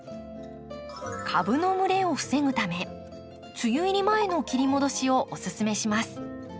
株の蒸れを防ぐため梅雨入り前の切り戻しをおすすめします。